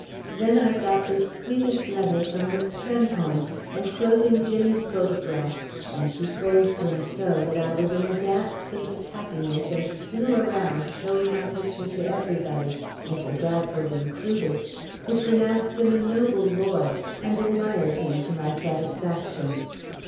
Then I got the sweetest letter from Miss Trenholm, enclosing Jimmy's photograph, and she praised him so that I was in a damp state of happiness and flew around showing my picture to everybody, Mr. Bradford included, who pronounced him a noble boy, and admired him to my satisfaction.